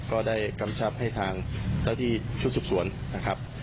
กำชับให้ทางเจ้าที่ชุดสืบสวนนะครับ